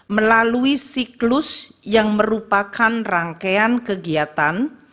melalui siklus yang merupakan rangkaian kegiatan